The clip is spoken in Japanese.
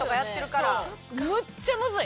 むっちゃむずい！